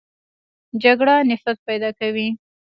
جګړه نفرت پیدا کوي